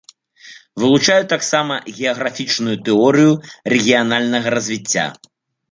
Вылучаюць таксама геаграфічную тэорыю рэгіянальнага развіцця.